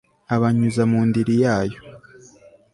abanyuza mu ndiri yayo